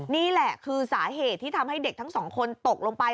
นี่แหละคือสาเหตุที่ทำให้เด็กทั้งสองคนตกลงไป